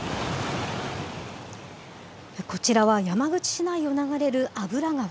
こちらは山口市内を流れる油川。